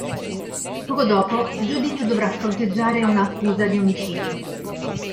Poco dopo Judith dovrà fronteggiare una accusa di omicidio.